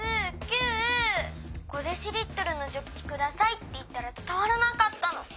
『５ｄＬのジョッキください』っていったらつたわらなかったの。